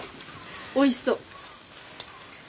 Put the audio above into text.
おいしそう。